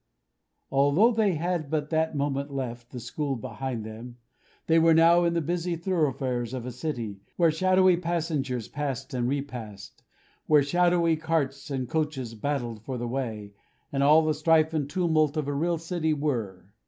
Although they had but that moment left the school behind them, they were now in the busy thoroughfares of a city, where shadowy passengers passed and repassed; where shadowy carts and coaches battled for the way, and all the strife and tumult of a real city were.